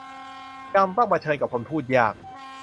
ยังต้องเผชิญกับคนพูดยาก